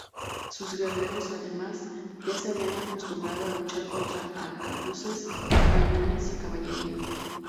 Sus guerreros además, ya se habían acostumbrado a luchar contra arcabuces, cañones y caballería.